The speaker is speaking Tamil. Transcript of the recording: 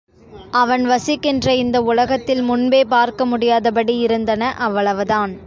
அவன் வசிக்கின்ற இந்த உலகத்தில் முன்பே பார்க்க முடியாதபடி இருந்தன அவ்வளவுதான்.